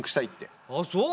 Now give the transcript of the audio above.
ああそう。